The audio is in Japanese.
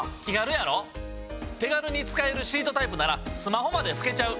手軽に使えるシートタイプならスマホまでふけちゃう。